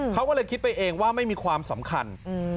เขาก็เลยคิดไปเองว่าไม่มีความสำคัญ